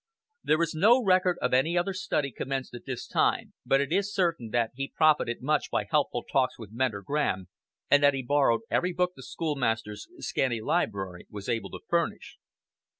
There is no record of any other study commenced at this time, but it is certain that he profited much by helpful talks with Mentor Graham, and that he borrowed every book the schoolmaster's scanty library was able to furnish.